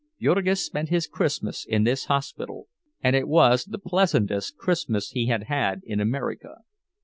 Jurgis spent his Christmas in this hospital, and it was the pleasantest Christmas he had had in America.